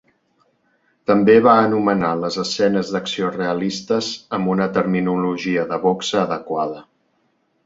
També va anomenar les escenes d'acció "realistes" amb una terminologia de boxa adequada.